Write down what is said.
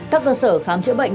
các cơ sở khám chữa bệnh